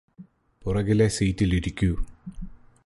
പുറകിലെ സീറ്റിലിരിക്കൂ